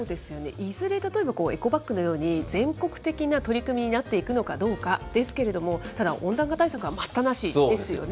いずれ、例えばエコバッグのように全国的な取り組みになっていくのかどうかですけれども、ただ、温暖化対策は待ったなしですよね。